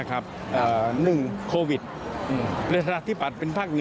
๑โควิดประธาษณ์ธิบัติเป็นภาค๑